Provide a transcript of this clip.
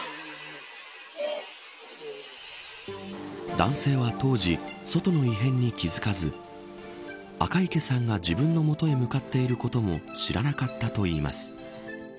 男性は当時外の異変に気付かず赤池さんが自分の元へ向かっていることも知らなかったといいます。